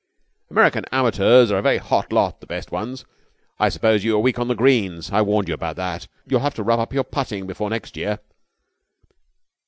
"American amateurs are a very hot lot: the best ones. I suppose you were weak on the greens, I warned you about that. You'll have to rub up your putting before next year."